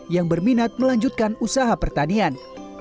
yang berminat melanjutkan usaha pertanian